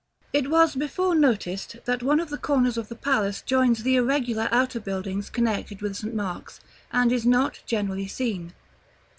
§ XXXIII. It was before noticed that one of the corners of the palace joins the irregular outer buildings connected with St. Mark's, and is not generally seen.